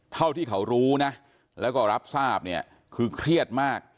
เท่าที่เขารู้นะแล้วก็รับทราบเนี่ยคือเครียดมาก